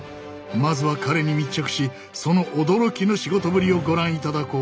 まずは彼に密着しその驚きの仕事ぶりをご覧いただこう。